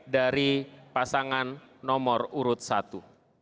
dari pasangan nomor urut satu